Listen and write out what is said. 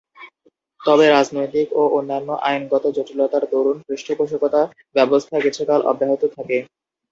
তবে রাজনৈতিক ও অন্যান্য আইনগত জটিলতার দরুণ পৃষ্ঠপোষকতা ব্যবস্থা কিছুকাল অব্যাহত থাকে।